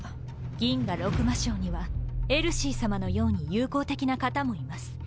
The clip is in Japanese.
銀河六魔将にはエルシーさまのように友好的な方もいます。